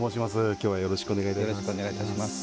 きょうはよろしくお願いいたします。